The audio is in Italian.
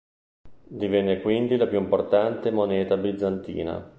Divenne quindi la più importante moneta bizantina.